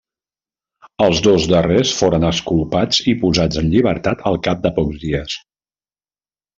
Els dos darrers foren exculpats i posats en llibertat al cap de pocs dies.